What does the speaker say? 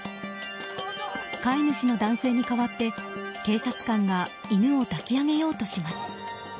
飼い主の男性に代わって警察官が犬を抱き上げようとします。